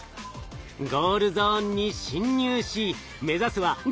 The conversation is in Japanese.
ゴールゾーンに侵入し目指すは５０点スポット。